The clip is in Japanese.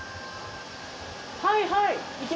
はいはい。